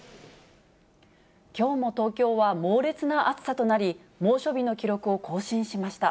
きょうも東京は猛烈な暑さとなり、猛暑日の記録を更新しました。